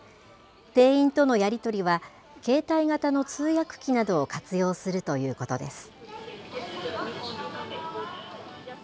店員とのやり取りは、携帯型の通訳機などを活用するということです。